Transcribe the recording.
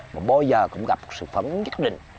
mà bao giờ cũng gặp sự phẩm nhất định